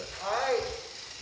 はい。